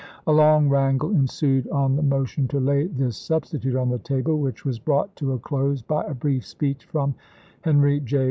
A long wrangle ensued on the motion to lay this sub stitute on the table, which was brought to a close by a brief speech from Henry J.